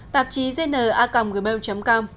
tạp chí gnacomgmail com